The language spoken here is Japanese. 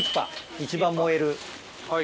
一番燃える。